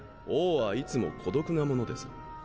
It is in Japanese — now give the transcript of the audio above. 王はいつも孤独なものです。